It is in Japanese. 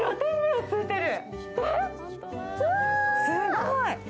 すごい！